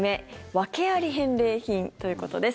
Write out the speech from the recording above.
訳あり返礼品ということです。